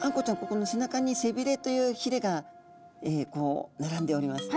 ここの背中に背びれというひれが並んでおります。